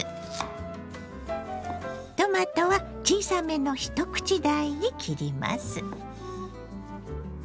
トマトは小さめの一口大に切ります。